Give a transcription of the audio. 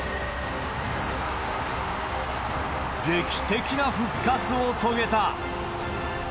劇的な復活を遂げた。